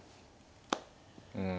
うん。